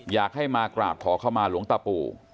อยากให้มากราบขอเข้ามาหลวงตาปู่